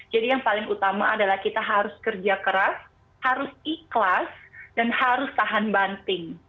jadi yang paling utama adalah kita harus kerja keras harus ikhlas dan harus tahan banting